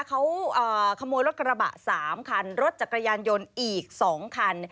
เขาขโมยรถกระบะ๓คันรถจักรยานยนต์อีก๒คัน